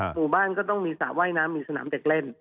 หมู่บ้านก็ต้องมีสระว่ายน้ำมีสนามเด็กเล่น